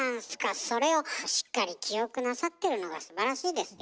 それをしっかり記憶なさってるのがすばらしいですよ。